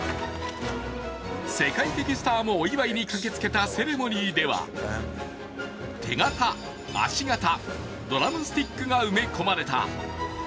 世界的スターもお祝いに駆けつけたセレモニーでは手形、足形、ドラムスティックが埋め込まれた。